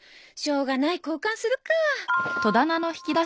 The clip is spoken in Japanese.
しょうがない交換するか。